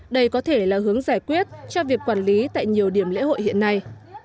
đây có thể là hướng giải quyết cho việc quản lý tại nhiều điểm lễ hội hiện nay